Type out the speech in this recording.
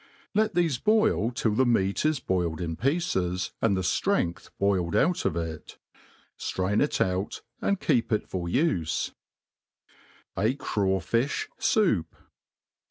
Let thefe boil till the meat is boiled in pieces, and the ftrengtU boiled out of it \ ftrain it out» and keep it for ufe* A CrctW'fijh Soup.